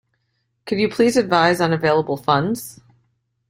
Could you please advise on available funds?